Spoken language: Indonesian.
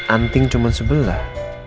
anting cuma sebelah